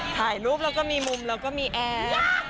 ถ่ายรูปแล้วก็มีมุมแล้วก็มีแอร์